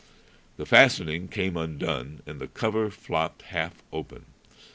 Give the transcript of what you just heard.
The fastening came undone, and the cover flopped half open.